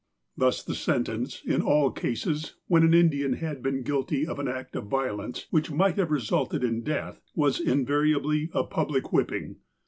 Thus the sentence, in all cases, when an Indian had been guilty of an act of violence which might have re sulted in death, was invariably a public whipping.